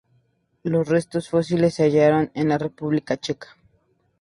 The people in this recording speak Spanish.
Los restos fósiles se hallaron en la República Checa.